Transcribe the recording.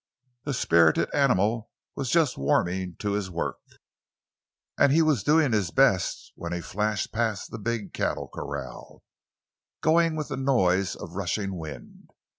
The spirited animal was just warming to his work, and he was doing his best when he flashed past the big cattle corral, going with the noise of rushing wind.